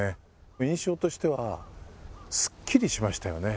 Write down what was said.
印象としてはすっきりしましたよね